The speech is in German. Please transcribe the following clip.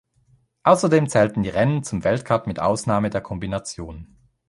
Außerdem zählten die Rennen zum Weltcup mit Ausnahme der Kombination.